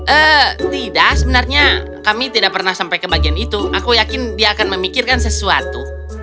eh tidak sebenarnya kami tidak pernah sampai ke bagian itu aku yakin dia akan memikirkan sesuatu